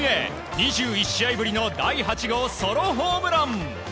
２１試合ぶりの第８号ソロホームラン。